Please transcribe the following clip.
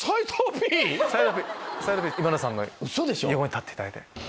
⁉今田さんの横に立っていただいて。